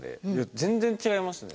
全然違いますね。